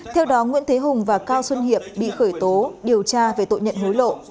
theo đó nguyễn thế hùng và cao xuân hiệp bị khởi tố điều tra về tội nhận hối lộ